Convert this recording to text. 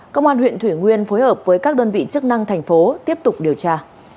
công an huyện thủy nguyên phối hợp với các đơn vị chức năng thành phố tiếp tục điều tra